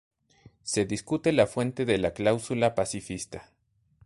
Se discute la fuente de la cláusula pacifista.